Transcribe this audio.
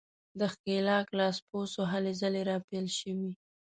د ښکېلاک لاسپوڅو هلې ځلې راپیل شوې.